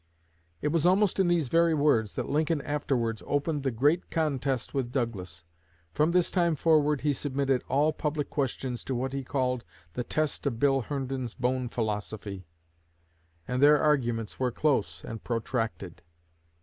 It was almost in these very words that Lincoln afterwards opened the great contest with Douglas. From this time forward he submitted all public questions to what he called 'the test of Bill Herndon's bone philosophy'; and their arguments were close and protracted."